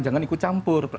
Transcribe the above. jangan ikut campur